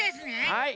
はい。